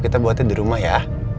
kita buatnya di rumah ya